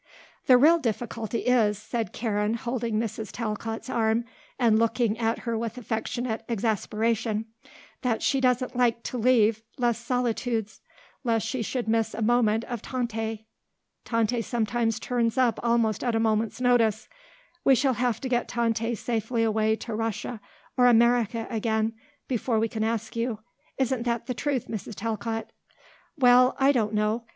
"The real difficulty is," said Karen, holding Mrs. Talcott's arm and looking at her with affectionate exasperation, "that she doesn't like to leave Les Solitudes lest she should miss a moment of Tante. Tante sometimes turns up almost at a moment's notice. We shall have to get Tante safely away to Russia, or America again, before we can ask you; isn't that the truth, Mrs. Talcott?" "Well, I don't know.